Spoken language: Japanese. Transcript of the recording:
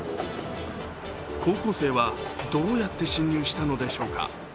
高校生はどうやって侵入したのでしょうか。